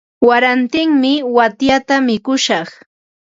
Warantimi waytata mikushaq.